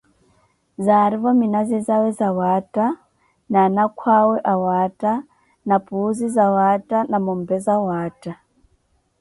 Zaarivo minazi zawe zawaatta na anakhu awe awaatta na puuzi zawaatta na mompe zawaatta.